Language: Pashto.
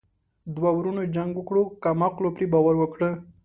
دوه ورونو جنګ وکړو کم عقلو پري باور وکړو.